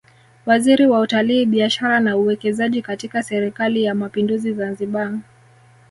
Waziri wa Utalii Biashara na Uwekezaji katika Serikali ya Mapinduzi Zanzibar